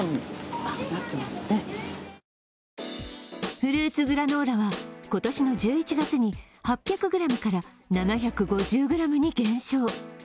フルーツグラノーラは今年の１１月に８００ｇから７５０ｇに減少。